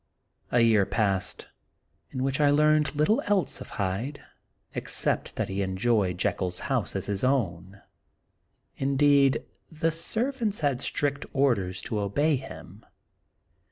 A year passed, in which I learned little else of Hyde except that he enjoyed Jekyll's house as his own ; indeed, the servants had strict orders to obey him.